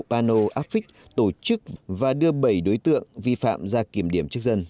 panel áp phích tổ chức và đưa bảy đối tượng vi phạm ra kiểm điểm chức dân